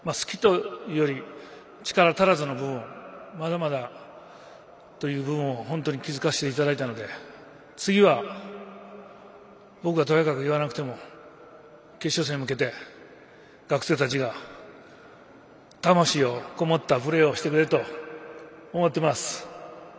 隙というより力足らずの部分まだまだという部分に気付かせていただいたので次は、僕がとやかく言わなくても決勝戦に向けて学生たちが魂を込めたプレーをしてくれると思っています。